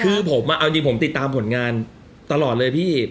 คือผมเอาจริงผมติดตามผลงานตลอดเลยพี่